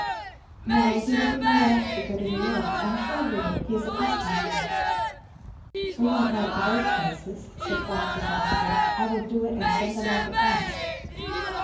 "No, he would be more likely to go to New York I am sure he would he is accustomed to it." "We might write to both places," said poor Mrs. Rossitur. "I will do it and send them off at once."